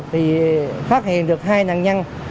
thì phát hiện được hai nạn nhân